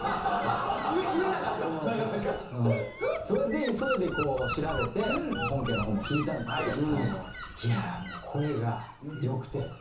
それで急いで調べて本家の方も聴いたんですけどいやあもう声が良くて。